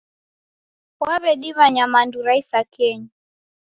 Wawediwa nyamandu ra isakenyi